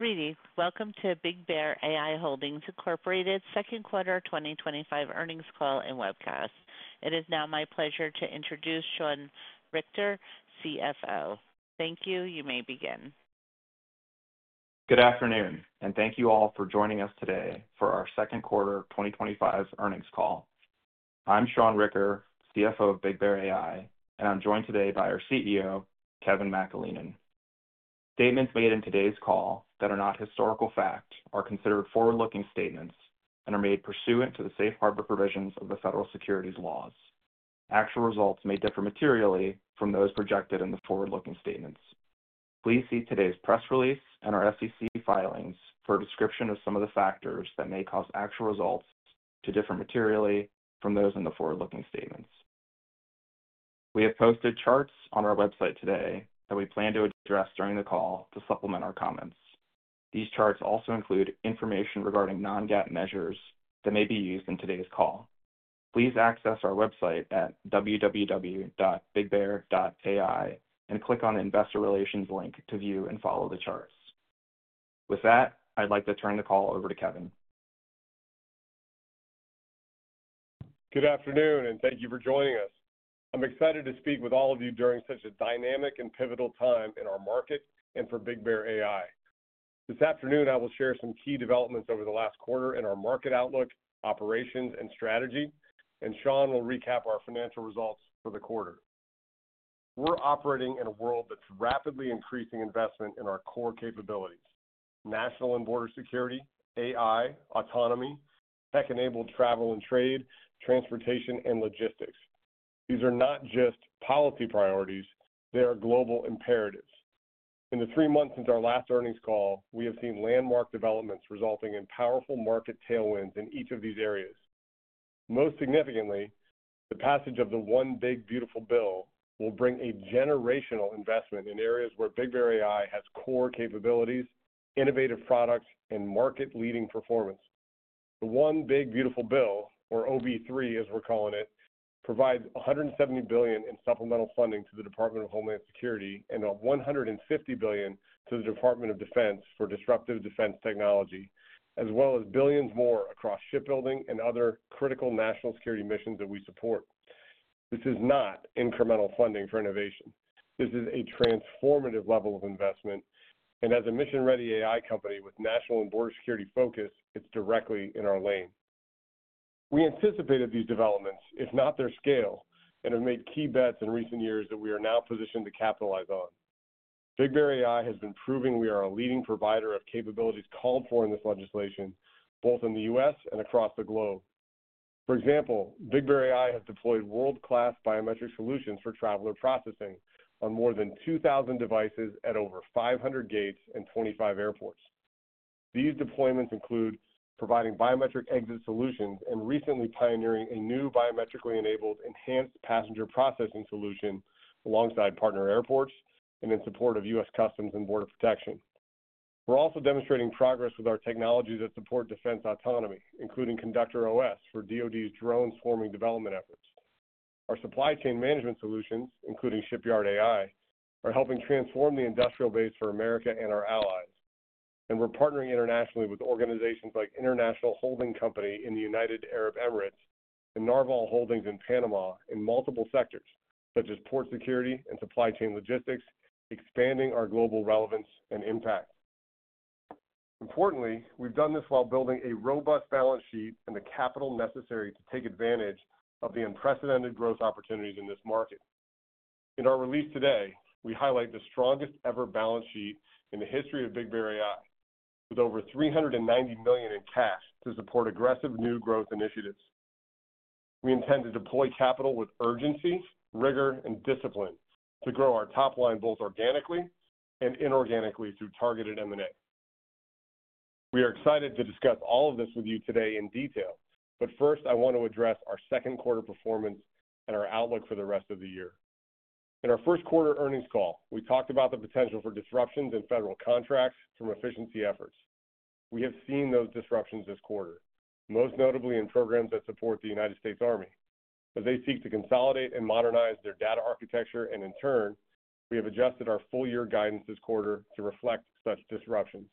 Greetings. Welcome to BigBear.ai Holdings, Inc.'s Second Quarter 2025 Earnings Call and Webcast. It is now my pleasure to introduce Sean Ricker, CFO. Thank you. You may begin. Good afternoon, and thank you all for joining us today for our second quarter 2025 earnings call. I'm Sean Ricker, CFO of BigBear.ai, and I'm joined today by our CEO, Kevin McAleenan. Statements made in today's call that are not historical fact are considered forward-looking statements and are made pursuant to the safe harbor provisions of the federal securities laws. Actual results may differ materially from those projected in the forward-looking statements. Please see today's press release and our SEC filings for a description of some of the factors that may cause actual results to differ materially from those in the forward-looking statements. We have posted charts on our website today that we plan to address during the call to supplement our comments. These charts also include information regarding non-GAAP measures that may be used in today's call. Please access our website at www.bigbear.ai and click on the Investor Relations link to view and follow the charts. With that, I'd like to turn the call over to Kevin. Good afternoon, and thank you for joining us. I'm excited to speak with all of you during such a dynamic and pivotal time in our market and for BigBear.ai. This afternoon, I will share some key developments over the last quarter in our market outlook, operations, and strategy, and Sean will recap our financial results for the quarter. We're operating in a world that's rapidly increasing investment in our core capabilities, national and border security, AI, autonomy, tech-enabled travel and trade, transportation, and logistics. These are not just policy priorities, they are global imperatives. In the three months since our last earnings call, we have seen landmark developments resulting in powerful market tailwinds in each of these areas. Most significantly, the passage of the One Big Beautiful Bill will bring a generational investment in areas where BigBear.ai has core capabilities, innovative products, and market-leading performance. The One Big Beautiful Bill, or OB3, as we're calling it, provides $170 billion in supplemental funding to the Department of Homeland Security and $150 billion to the Department of Defense for disruptive defense technology, as well as billions more across shipbuilding and other critical national security missions that we support. This is not incremental funding for innovation. This is a transformative level of investment, and as a mission-ready AI company with national and border security focus, it's directly in our lane. We anticipated these developments, if not their scale, and have made key bets in recent years that we are now positioned to capitalize on. BigBear.ai has been proving we are a leading provider of capabilities called for in this legislation, both in the U.S. and across the globe. For example, BigBear.ai has deployed world-class biometric solutions for traveler processing on more than 2,000 devices at over 500 gates and 25 airports. These deployments include providing biometric exit solutions and recently pioneering a new biometrically enabled enhanced passenger processing solution alongside partner airports and in support of U.S. Customs and Border Protection. We're also demonstrating progress with our technologies that support defense autonomy, including ConductorOS for the DOD's drone swarming development efforts. Our supply chain management solutions, including Shipyard AI, are helping transform the industrial base for America and our allies. We are partnering internationally with organizations like International Holding Company in the United Arab Emirates and Narval Holdings in Panama in multiple sectors, such as port security and supply chain logistics, expanding our global relevance and impact. Importantly, we've done this while building a robust balance sheet and the capital necessary to take advantage of the unprecedented growth opportunities in this market. In our release today, we highlight the strongest-ever balance sheet in the history of BigBear.ai, with over $390 million in cash to support aggressive new growth initiatives. We intend to deploy capital with urgency, rigor, and discipline to grow our top line both organically and inorganically through targeted M&A. We are excited to discuss all of this with you today in detail. First, I want to address our second quarter performance and our outlook for the rest of the year. In our first quarter earnings call, we talked about the potential for disruptions in federal contracts from efficiency efforts. We have seen those disruptions this quarter, most notably in programs that support the United States Army, as they seek to consolidate and modernize their data architecture. In turn, we have adjusted our full-year guidance this quarter to reflect such disruptions.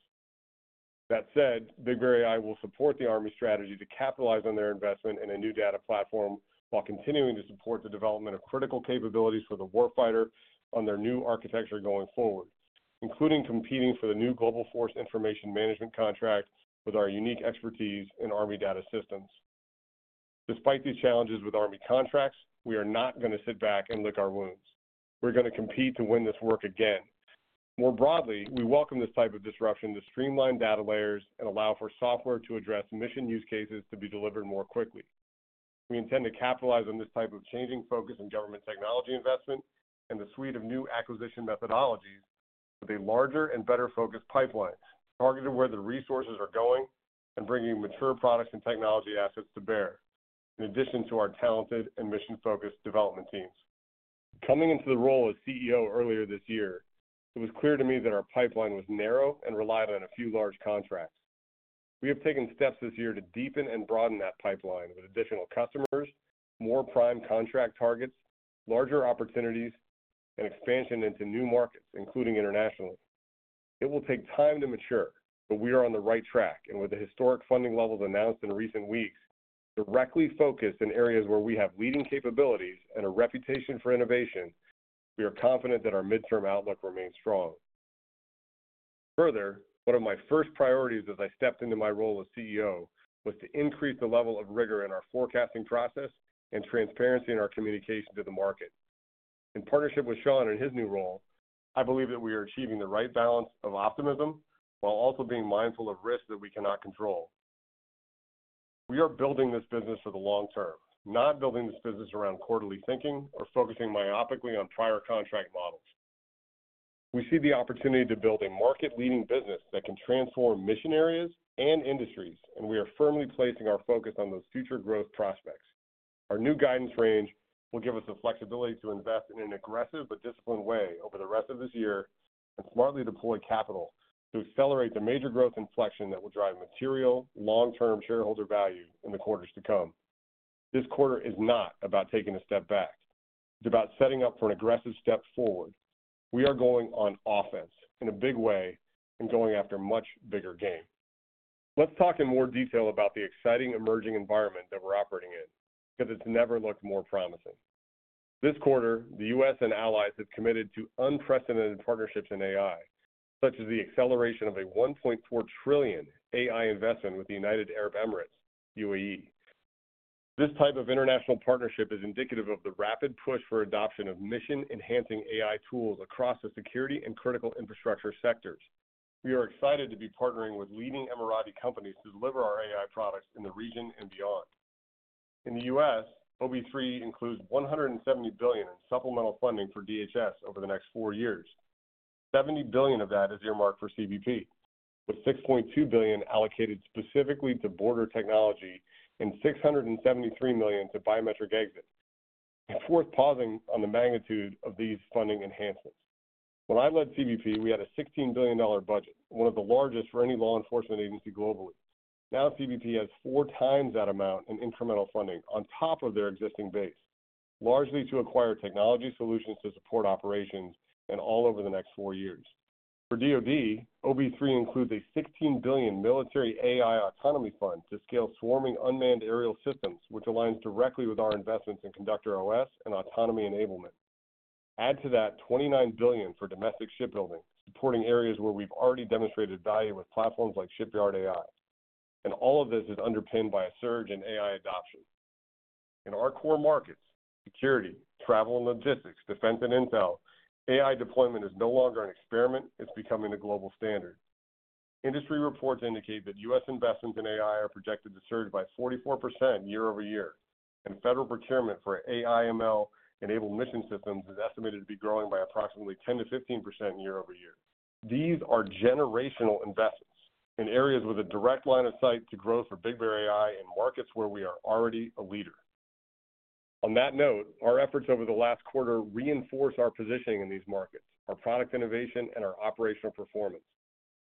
That said, BigBear.ai will support the Army strategy to capitalize on their investment in a new data platform while continuing to support the development of critical capabilities for the warfighter on their new architecture going forward, including competing for the new Global Force Information Management contract with our unique expertise in Army data systems. Despite these challenges with Army contracts, we are not going to sit back and lick our wounds. We are going to compete to win this work again. More broadly, we welcome this type of disruption to streamline data layers and allow for software to address mission use cases to be delivered more quickly. We intend to capitalize on this type of changing focus in government technology investment and the suite of new acquisition methodologies with a larger and better focused pipelines targeted where the resources are going and bringing mature products and technology assets to bear, in addition to our talented and mission-focused development teams. Coming into the role as CEO earlier this year, it was clear to me that our pipeline was narrow and relied on a few large contracts. We have taken steps this year to deepen and broaden that pipeline with additional customers, more prime contract targets, larger opportunities, and expansion into new markets, including internationally. It will take time to mature, but we are on the right track, and with the historic funding levels announced in recent weeks, directly focused in areas where we have leading capabilities and a reputation for innovation, we are confident that our midterm outlook remains strong. Further, one of my first priorities as I stepped into my role as CEO was to increase the level of rigor in our forecasting process and transparency in our communication to the market. In partnership with Sean in his new role, I believe that we are achieving the right balance of optimism while also being mindful of risks that we cannot control. We are building this business for the long term, not building this business around quarterly thinking or focusing myopically on prior contract models. We see the opportunity to build a market-leading business that can transform mission areas and industries, and we are firmly placing our focus on those future growth prospects. Our new guidance range will give us the flexibility to invest in an aggressive but disciplined way over the rest of this year and smartly deploy capital to accelerate the major growth inflection that will drive material long-term shareholder value in the quarters to come. This quarter is not about taking a step back. It's about setting up for an aggressive step forward. We are going on offense in a big way and going after a much bigger game. Let's talk in more detail about the exciting emerging environment that we're operating in, because it's never looked more promising. This quarter, the U.S. and allies have committed to unprecedented partnerships in AI, such as the acceleration of a $1.4 trillion AI investment with the United Arab Emirates, UAE. This type of international partnership is indicative of the rapid push for adoption of mission-enhancing AI tools across the security and critical infrastructure sectors. We are excited to be partnering with leading Emirati companies to deliver our AI products in the region and beyond. In the U.S., OB3 includes $170 billion in supplemental funding for the DHS over the next four years. $70 billion of that is earmarked for CBP, with $6.2 billion allocated specifically to border technology and $673 million to biometric exit. It's worth pausing on the magnitude of these funding enhancements. When I led CBP, we had a $16 billion budget, one of the largest for any law enforcement agency globally. Now, CBP has four times that amount in incremental funding on top of their existing base, largely to acquire technology solutions to support operations and all over the next four years. For the DOB, OB3 includes a $16 billion military AI autonomy fund to scale swarming unmanned aerial systems, which aligns directly with our investments in ConductorOS and autonomy enablement. Add to that $29 billion for domestic shipbuilding, supporting areas where we've already demonstrated value with platforms like Shipyard AI. All of this is underpinned by a surge in AI adoption. In our core markets, security, travel and logistics, defense and intel, AI deployment is no longer an experiment, it's becoming a global standard. Industry reports indicate that U.S. investments in AI are projected to surge by 44% year over year, and federal procurement for AI/ML-enabled mission systems is estimated to be growing by approximately 10% to 15% year over year. These are generational investments in areas with a direct line of sight to growth for BigBear.ai in markets where we are already a leader. Our efforts over the last quarter reinforce our positioning in these markets, our product innovation, and our operational performance.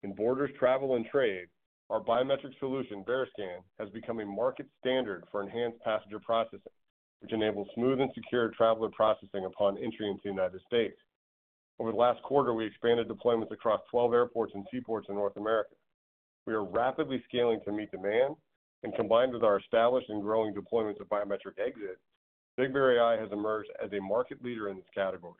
In borders, travel, and trade, our biometric solution, BearScan, has become a market standard for enhanced passenger processing, which enables smooth and secure traveler processing upon entry into the United States. Over the last quarter, we expanded deployments across 12 airports and seaports in North America. We are rapidly scaling to meet demand, and combined with our established and growing deployments of biometric exit, BigBear.ai has emerged as a market leader in this category.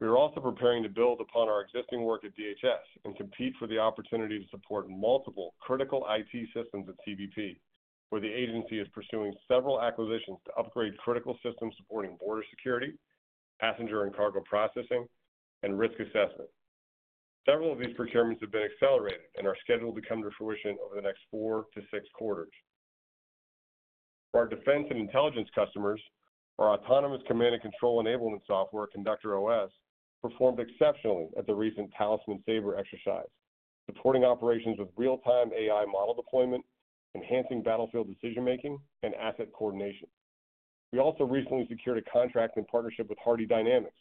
We are also preparing to build upon our existing work at DHS and compete for the opportunity to support multiple critical IT systems at CBP, where the agency is pursuing several acquisitions to upgrade critical systems supporting border security, passenger and cargo processing, and risk assessment. Several of these procurements have been accelerated and are scheduled to come to fruition over the next four to six quarters. For our defense and intelligence customers, our autonomous command and control enablement software, ConductorOS, performed exceptionally at the recent Talisman Sabre exercise, supporting operations with real-time AI model deployment, enhancing battlefield decision-making, and asset coordination. We also recently secured a contract in partnership with Hardie Dynamics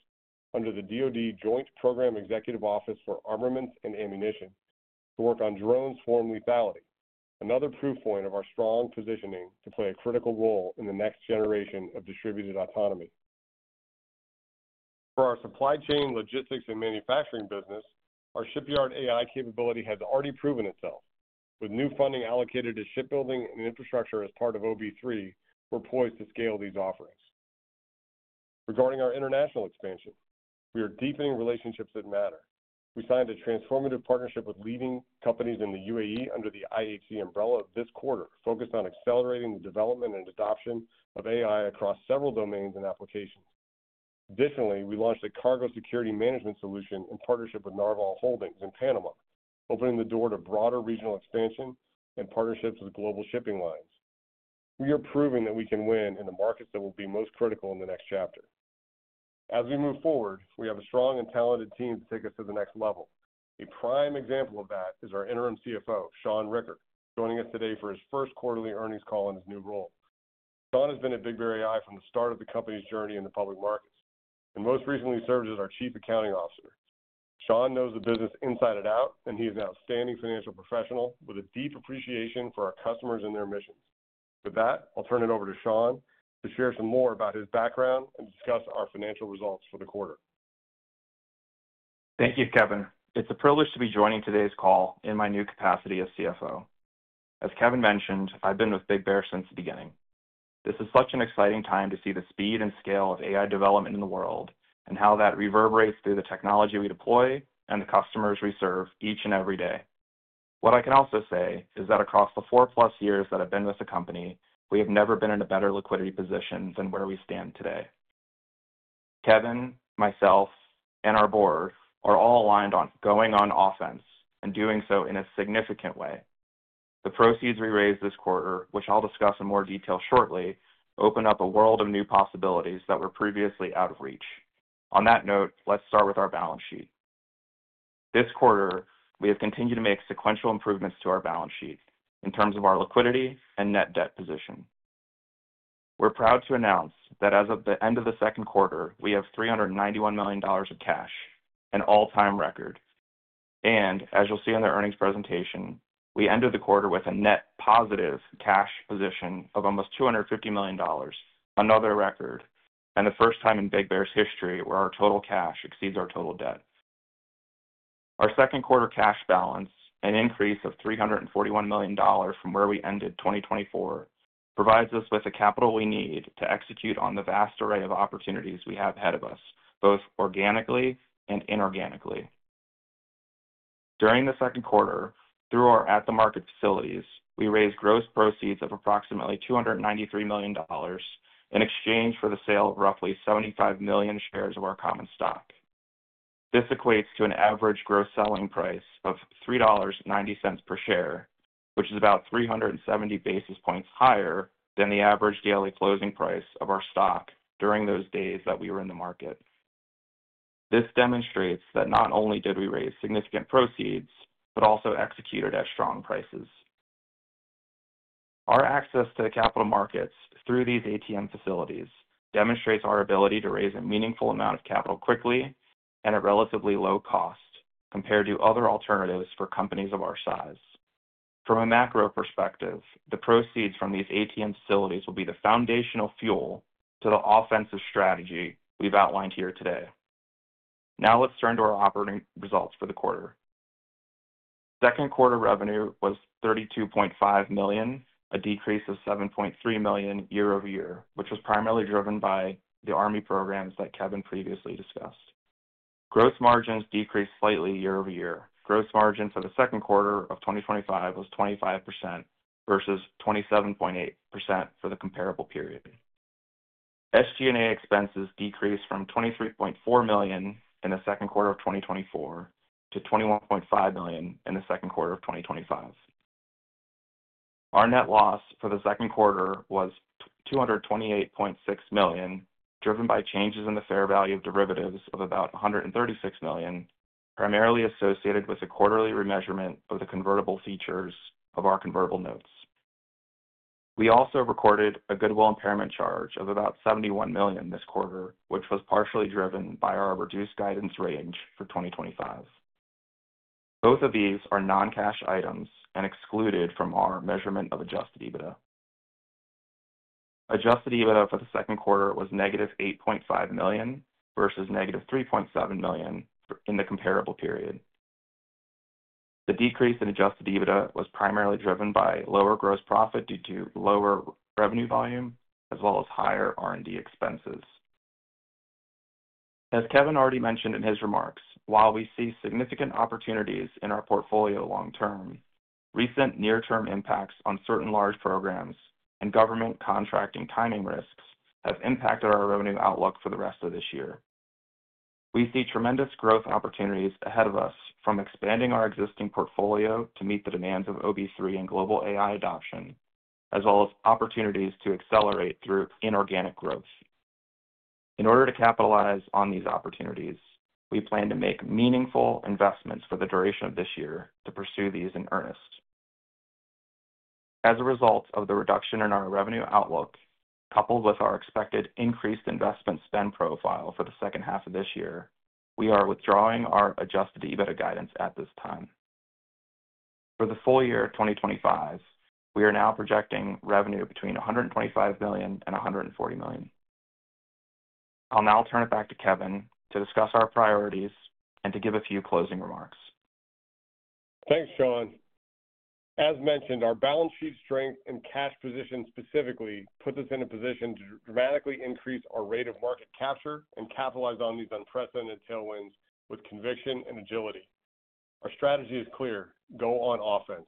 under the DOD Joint Program Executive Office for Armaments and Ammunition to work on drone swarm lethality, another proof point of our strong positioning to play a critical role in the next generation of distributed autonomy. For our supply chain, logistics, and manufacturing business, our Shipyard AI capability has already proven itself, with new funding allocated to shipbuilding and infrastructure as part of OB3. We're poised to scale these offerings. Regarding our international expansion, we are deepening relationships that matter. We signed a transformative partnership with leading companies in the UAE under the IAT umbrella this quarter, focused on accelerating the development and adoption of AI across several domains and applications. Additionally, we launched a cargo security management solution in partnership with Narval Holdings in Panama, opening the door to broader regional expansion and partnerships with global shipping lines. We are proving that we can win in the markets that will be most critical in the next chapter. As we move forward, we have a strong and talented team to take us to the next level. A prime example of that is our Interim CFO, Sean Ricker, joining us today for his first quarterly earnings call in his new role. Sean has been at BigBear.ai from the start of the company's journey in the public markets and most recently served as our Chief Accounting Officer. Sean knows the business inside and out, and he is an outstanding financial professional with a deep appreciation for our customers and their missions. With that, I'll turn it over to Sean to share some more about his background and discuss our financial results for the quarter. Thank you, Kevin. It's a privilege to be joining today's call in my new capacity as CFO. As Kevin mentioned, I've been with BigBear.ai since the beginning. This is such an exciting time to see the speed and scale of AI development in the world and how that reverberates through the technology we deploy and the customers we serve each and every day. What I can also say is that across the four-plus years that I've been with the company, we have never been in a better liquidity position than where we stand today. Kevin, myself, and our board are all aligned on going on offense and doing so in a significant way. The proceeds we raised this quarter, which I'll discuss in more detail shortly, open up a world of new possibilities that were previously out of reach. On that note, let's start with our balance sheet. This quarter, we have continued to make sequential improvements to our balance sheet in terms of our liquidity and net debt position. We're proud to announce that as of the end of the second quarter, we have $391 million of cash, an all-time record. As you'll see in the earnings presentation, we ended the quarter with a net positive cash position of almost $250 million, another record, and the first time in BigBear.ai's history where our total cash exceeds our total debt. Our second quarter cash balance, an increase of $341 million from where we ended 2024, provides us with the capital we need to execute on the vast array of opportunities we have ahead of us, both organically and inorganically. During the second quarter, through our at-the-market facilities, we raised gross proceeds of approximately $293 million in exchange for the sale of roughly 75 million shares of our common stock. This equates to an average gross selling price of $3.90 per share, which is about 370 basis points higher than the average daily closing price of our stock during those days that we were in the market. This demonstrates that not only did we raise significant proceeds, but also executed at strong prices. Our access to the capital markets through these ATM facilities demonstrates our ability to raise a meaningful amount of capital quickly and at relatively low cost compared to other alternatives for companies of our size. From a macro perspective, the proceeds from these ATM facilities will be the foundational fuel to the offensive strategy we've outlined here today. Now let's turn to our operating results for the quarter. Second quarter revenue was $32.5 million, a decrease of $7.3 million year over year, which was primarily driven by the Army programs that Kevin previously discussed. Gross margins decreased slightly year over year. Gross margin for the second quarter of 2025 was 25% versus 27.8% for the comparable period. SG&A expenses decreased from $23.4 million in the second quarter of 2024 to $21.5 million in the second quarter of 2025. Our net loss for the second quarter was $228.6 million, driven by changes in the fair value of derivatives of about $136 million, primarily associated with a quarterly remeasurement of the convertible features of our convertible notes. We also recorded a goodwill impairment charge of about $71 million this quarter, which was partially driven by our reduced guidance range for 2025. Both of these are non-cash items and excluded from our measurement of adjusted EBITDA. Adjusted EBITDA for the second quarter was -$8.5 million versus -$3.7 million in the comparable period. The decrease in adjusted EBITDA was primarily driven by lower gross profit due to lower revenue volume, as well as higher R&D expenses. As Kevin already mentioned in his remarks, while we see significant opportunities in our portfolio long term, recent near-term impacts on certain large programs and government contracting timing risks have impacted our revenue outlook for the rest of this year. We see tremendous growth opportunities ahead of us from expanding our existing portfolio to meet the demands of OB3 and global AI adoption, as well as opportunities to accelerate through inorganic growth. In order to capitalize on these opportunities, we plan to make meaningful investments for the duration of this year to pursue these in earnest. As a result of the reduction in our revenue outlook, coupled with our expected increased investment spend profile for the second half of this year, we are withdrawing our adjusted EBITDA guidance at this time. For the full year 2025, we are now projecting revenue between $125 million and $140 million. I'll now turn it back to Kevin to discuss our priorities and to give a few closing remarks. Thanks, Sean. As mentioned, our balance sheet strength and cash position specifically put us in a position to dramatically increase our rate of market capture and capitalize on these unprecedented tailwinds with conviction and agility. Our strategy is clear, go on offense.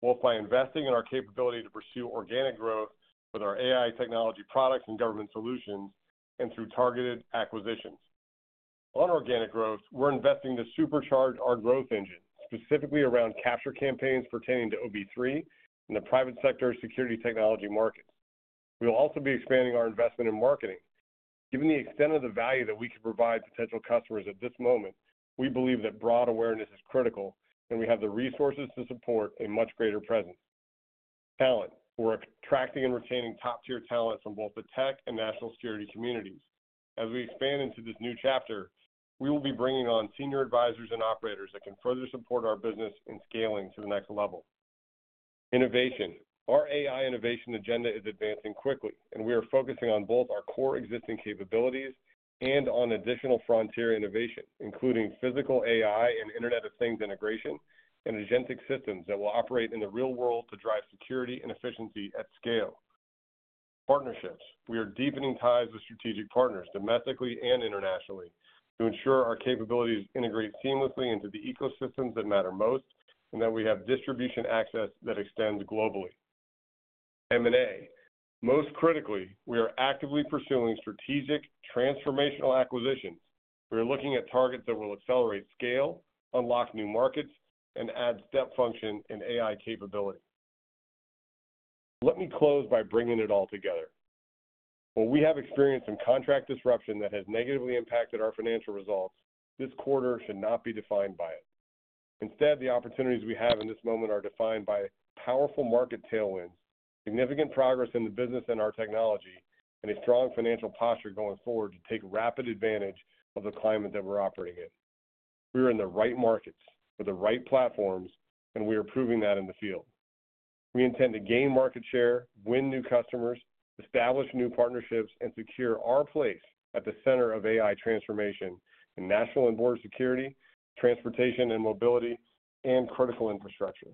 We'll plan investing in our capability to pursue organic growth with our AI technology products and government solutions and through targeted acquisitions. On organic growth, we're investing to supercharge our growth engine, specifically around capture campaigns pertaining to OB3 and the private sector security technology market. We'll also be expanding our investment in marketing. Given the extent of the value that we can provide potential customers at this moment, we believe that broad awareness is critical, and we have the resources to support a much greater presence. Talent, we're attracting and retaining top-tier talent from both the tech and national security communities. As we expand into this new chapter, we will be bringing on Senior Advisors and operators that can further support our business in scaling to the next level. Innovation, our AI innovation agenda is advancing quickly, and we are focusing on both our core existing capabilities and on additional frontier innovation, including physical AI and Internet of Things integration and agentic systems that will operate in the real world to drive security and efficiency at scale. Partnerships, we are deepening ties with strategic partners domestically and internationally to ensure our capabilities integrate seamlessly into the ecosystems that matter most and that we have distribution access that extends globally. M&A, most critically, we are actively pursuing strategic transformational acquisitions. We are looking at targets that will accelerate scale, unlock new markets, and add step function in AI capability. Let me close by bringing it all together. While we have experienced some contract disruption that has negatively impacted our financial results, this quarter should not be defined by it. Instead, the opportunities we have in this moment are defined by powerful market tailwinds, significant progress in the business and our technology, and a strong financial posture going forward to take rapid advantage of the climate that we're operating in. We are in the right markets with the right platforms, and we are proving that in the field. We intend to gain market share, win new customers, establish new partnerships, and secure our place at the center of AI transformation in national and border security, transportation and mobility, and critical infrastructure.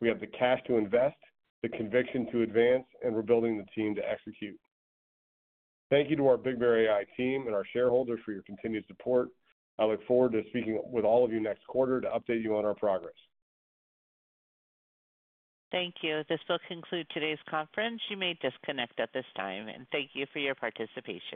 We have the cash to invest, the conviction to advance, and we're building the team to execute. Thank you to our BigBear.ai team and our shareholders for your continued support. I look forward to speaking with all of you next quarter to update you on our progress. Thank you. This will conclude today's conference. You may disconnect at this time, and thank you for your participation.